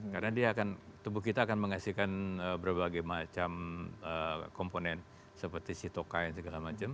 karena tubuh kita akan menghasilkan berbagai macam komponen seperti sitokain segala macam